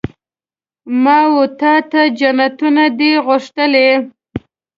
ما وتا ته جنتونه دي غوښتلي